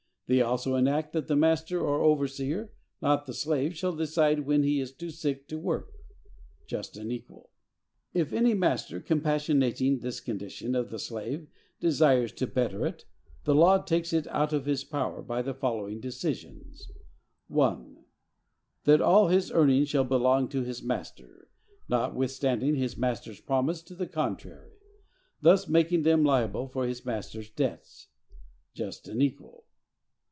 They also enact that the master or overseer, not the slave, shall decide when he is too sick to work.—Just and equal! If any master, compassionating this condition of the slave, desires to better it, the law takes it out of his power, by the following decisions: 1. That all his earnings shall belong to his master, notwithstanding his master's promise to the contrary; thus making them liable for his master's debts.—Just and equal!